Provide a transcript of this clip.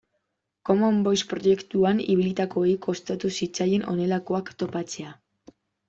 Common Voice proiektuan ibilitakoei kostatu zitzaien honelakoak topatzea.